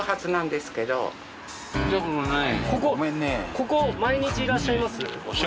ここ毎日いらっしゃいます？